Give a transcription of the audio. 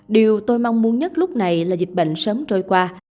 điều tôi mong muốn nhất lúc này là dịch bệnh sớm trôi qua